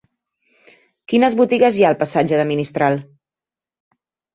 Quines botigues hi ha al passatge de Ministral?